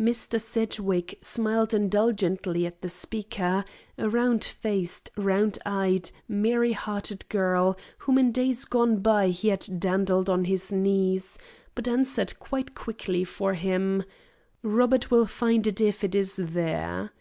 Mr. Sedgwick smiled indulgently at the speaker, (a round faced, round eyed, merry hearted girl whom in days gone by he had dandled on his knees), but answered quite quickly for him: "Robert will find it if it is there."